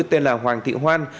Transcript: tên là hoàng thị hoan